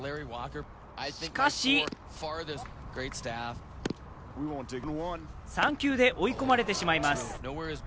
しかし、３球で追い込まれてしまいます。